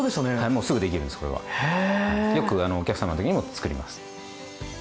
もうすぐできるんですこれは。よくお客様のときにも作ります。